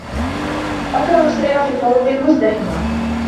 أَكْرَهُ السَّيْرَ فِي الطُرقِ الْمُزْدَحِمَةِ.